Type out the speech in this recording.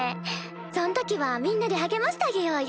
そんときはみんなで励ましてあげようよ。